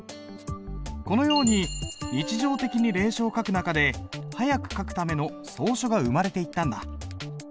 このように日常的に隷書を書く中で速く書くための草書が生まれていったんだ。